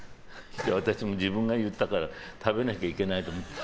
私も自分が言ったから食べないといけないと思って。